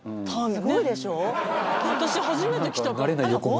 私初めて来たかも。